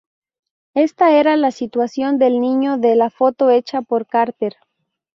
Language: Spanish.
Esta era la situación del niño de la foto hecha por Carter.